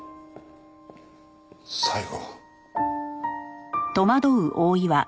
最後。